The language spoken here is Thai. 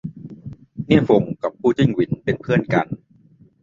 เนี่ยฟงกับปู้จิ้งหวินเป็นเพื่อนกัน